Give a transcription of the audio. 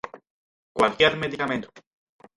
cualquier medicamento